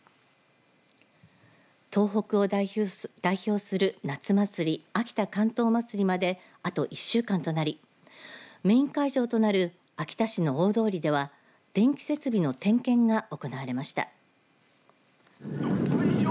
東北を代表する夏祭り秋田竿燈まつりまであと１週間となりメイン会場となる秋田市の大通りでは電気設備の点検が行われました。